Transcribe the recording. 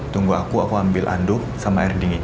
tunggu aku aku ambil anduk sama air dingin